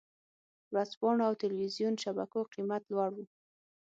ورځپاڼو او ټلویزیون شبکو قېمت لوړ و.